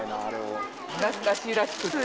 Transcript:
懐かしいらしくって。